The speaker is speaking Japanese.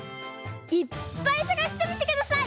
いっぱいさがしてみてください。